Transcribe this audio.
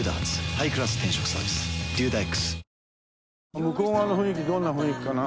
向こう側の雰囲気どんな雰囲気かな？